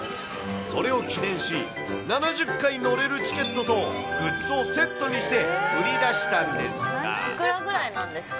それを記念し、７０回乗れるチケットとグッズをセットにして売りいくらぐらいなんですか？